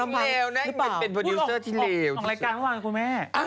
ออกรายการมาบางครับคุณแม่